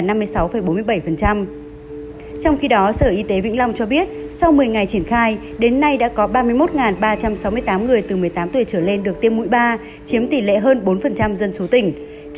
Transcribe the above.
trong khi đó sở y tế vĩnh long cho biết sau một mươi ngày triển khai đến nay đã có ba mươi một ba trăm sáu mươi tám người từ một mươi tám tuổi trở lên được tiêm mũi ba chiếm tỷ lệ hơn bốn dân số tỉnh